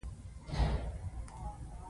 يو چا ږغ وکړ هلته راسئ دا خو ژوندى دى.